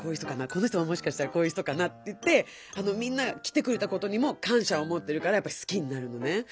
「この人はもしかしたらこういう人かな」っていってみんなが来てくれたことにもかんしゃをもってるからやっぱすきになるのね。